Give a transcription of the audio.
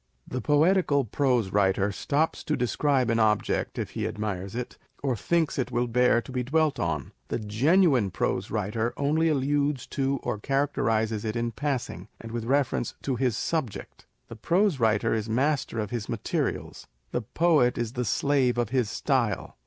The poetical prose writer stops to describe an object, if he admires it, or thinks it will bear to be dwelt on : the genuine prose writer only alludes to or characterises it in passing, and with refer ence to his subject. The prose writer is master of his materials : the poet is the slave of his style.